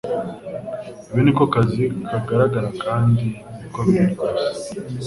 ibi ni ko kazi kagaragara kandi niko biri rwose